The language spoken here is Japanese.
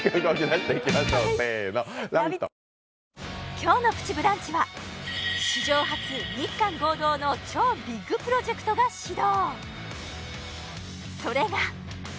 今日の「プチブランチ」は史上初日韓合同の超ビッグプロジェクトが始動！